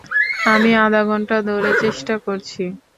আমি আধা ঘন্টা ধরে চেষ্টা করছি।